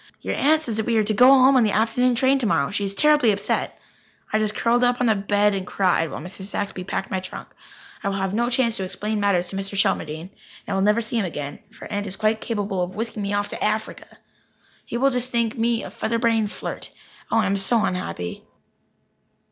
Your aunt says that we are to go home on the afternoon train tomorrow. She is terribly upset." I just curled up on the bed and cried, while Mrs. Saxby packed my trunk. I will have no chance to explain matters to Mr. Shelmardine. And I will never see him again, for Aunt is quite capable of whisking me off to Africa. He will just think me a feather brained flirt. Oh, I am so unhappy!